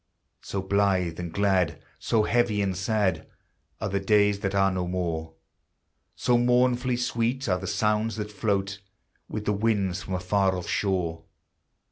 So blithe and glad, so heavy and sad, Are the days that are no more, So mournfully sweet are the sounds that float With the winds from a far off shore.